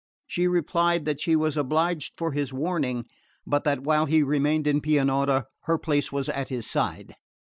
She replied that she was obliged for his warning, but that while he remained in Pianura her place was at his side.